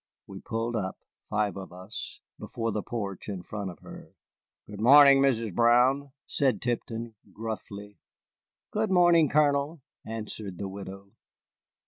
We pulled up, five of us, before the porch in front of her. "Good morning, Mrs. Brown," said Tipton, gruffly. "Good morning, Colonel," answered the widow.